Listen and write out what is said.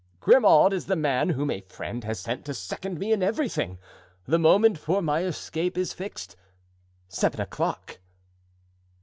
Grimaud is the man whom a friend has sent to second me in everything. The moment for my escape is fixed—seven o'clock.